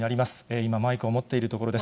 今、マイクを持っているところです。